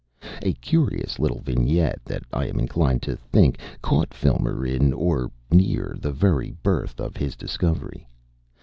A curious little vignette that I am inclined to think caught Filmer in or near the very birth of his discovery.